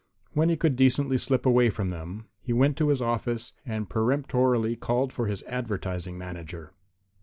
When he could decently slip away from them he went to his office and peremptorily called for his advertising manager.